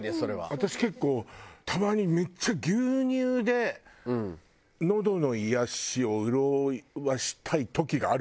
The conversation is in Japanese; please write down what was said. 私結構たまにめっちゃ牛乳でのどの癒やしを潤わせたい時があるのよ。